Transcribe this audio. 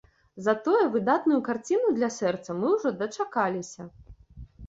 Затое выдатную карціну для сэрца мы ўжо дачакаліся.